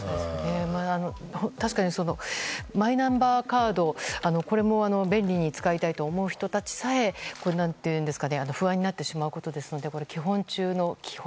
確かにマイナンバーカードを便利に使いたいと思う人たちさえ不安になってしまうことですので基本中の基本。